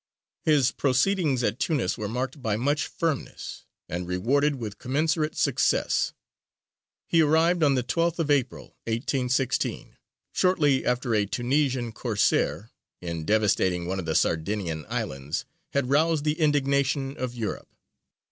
His proceedings at Tunis were marked by much firmness, and rewarded with commensurate success. He arrived on the 12th of April, 1816, shortly after a Tunisian Corsair, in devastating one of the Sardinian islands, had roused the indignation of Europe.